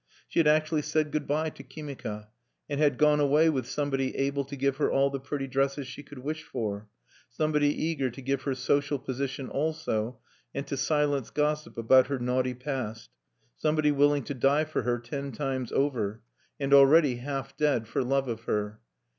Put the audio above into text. She had actually said good by to Kimika, and had gone away with somebody able to give her all the pretty dresses she could wish for, somebody eager to give her social position also, and to silence gossip about her naughty past, somebody willing to die for her ten times over, and already half dead for love of her.